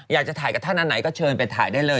อยากจะถ่ายกับท่านอันไหนก็เชิญไปถ่ายได้เลย